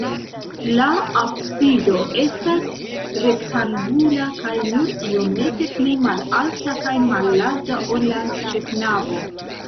La absido estas rektangula kaj nur iomete pli malalta kaj mallarĝa, ol la ĉefnavo.